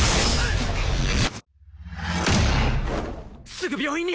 すぐ病院に！